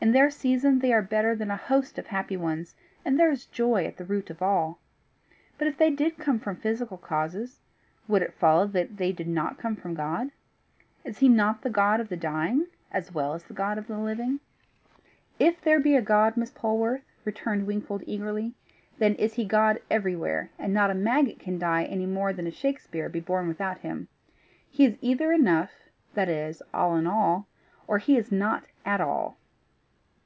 In their season they are better than a host of happy ones, and there is joy at the root of all. But if they did come from physical causes, would it follow that they did not come from God? Is he not the God of the dying as well as the God of the living?" "If there be a God, Miss Polwarth," returned Wingfold eagerly, "then is he God everywhere, and not a maggot can die any more than a Shakespeare be born without him. He is either enough, that is, all in all, or he is not at all."